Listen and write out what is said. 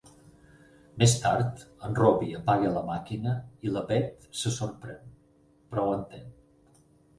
Més tard, en Robbie apaga la màquina i la Beth se sorprèn, però ho entén.